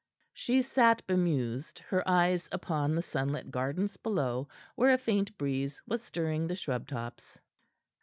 She sat bemused, her eyes upon the sunlit gardens below, where a faint breeze was stirring the shrub tops.